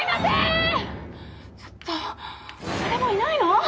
誰もいないの？